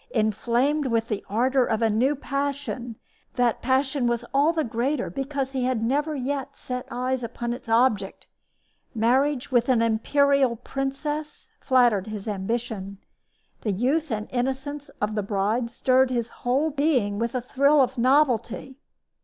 Inflamed with the ardor of a new passion, that passion was all the greater because he had never yet set eyes upon its object. Marriage with an imperial princess flattered his ambition. The youth and innocence of the bride stirred his whole being with a thrill of novelty.